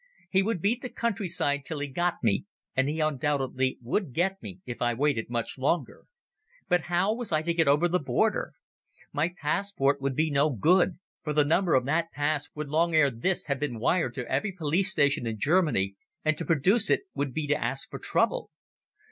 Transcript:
He would beat the countryside till he got me, and he undoubtedly would get me if I waited much longer. But how was I to get over the border? My passport would be no good, for the number of that pass would long ere this have been wired to every police station in Germany, and to produce it would be to ask for trouble.